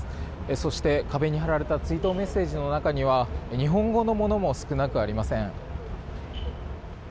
そして、壁に貼られた追悼メッセージの中には日本語のものも少なくありません。